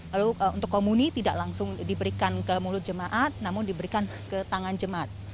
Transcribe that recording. lalu untuk komuni tidak langsung diberikan ke mulut jemaat namun diberikan ke tangan jemaat